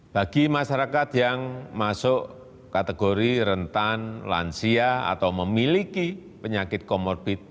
bagi masyarakat yang masuk kategori rentan lansia atau memiliki penyakit komorbid